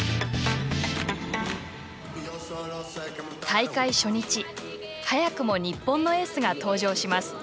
大会初日早くも日本のエースが登場します。